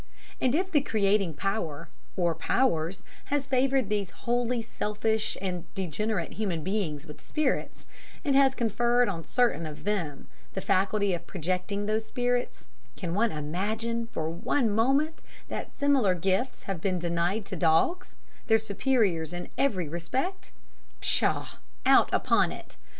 And if the creating Power (or Powers) has favoured these wholly selfish and degenerate human beings with spirits, and has conferred on certain of them the faculty of projecting those spirits, can one imagine, for one moment, that similar gifts have been denied to dogs their superiors in every respect? Pshaw! Out upon it!